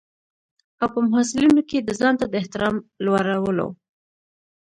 او په محصلینو کې د ځانته د احترام لوړولو.